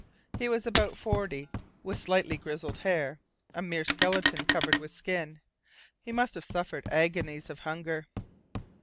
He was about forty, with slightly grizzled hair, a mere skeleton covered with skin. He must have suffered agonies of hunger.